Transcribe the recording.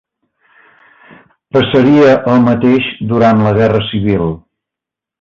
Passaria el mateix durant la Guerra Civil.